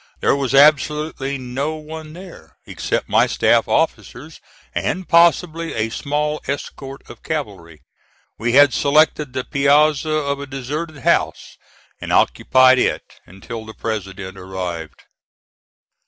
There was absolutely no one there, except my staff officers and, possibly, a small escort of cavalry. We had selected the piazza of a deserted house, and occupied it until the President arrived.